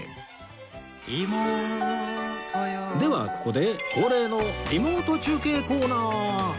ではここで恒例のリモート中継コーナー